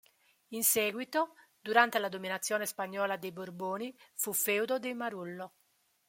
In seguito, durante la dominazione spagnola dei Borboni fu feudo dei Marullo.